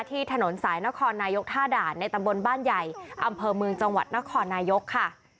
ที่ถนนสายนครนายกท่าด่านในตำบลบ้านใหญ่อำเภอเมืองจังหวัดนครนายกค่ะ